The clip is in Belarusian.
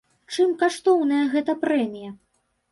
Чым каштоўная гэта прэмія?